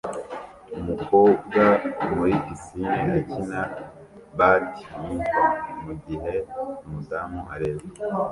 Umukobwa muri pisine akina badminton mugihe umudamu areba